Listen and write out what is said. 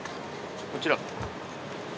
こちら。